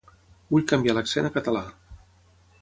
Vull canviar l'accent a català.